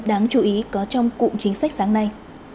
đáng chú ý có trong cụm chính sách sáng nay